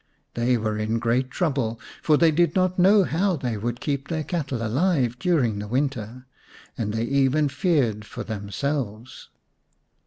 They were in great trouble, for they did not know how they would keep their cattle alive during the winter, and they even feared for them selves.